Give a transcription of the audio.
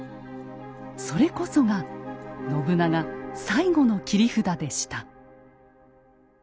それこそが信長最後の切り札でした。